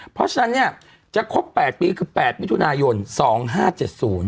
เพราะฉะนั้นเนี่ยจะครบ๘ปีซึ่ง๘มิถุนายนอัฐ๒๐๕๐